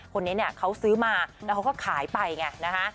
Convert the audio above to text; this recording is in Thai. คนนี้เนี่ยเขาซื้อมาแล้วเขาก็ขายไปไงนะคะ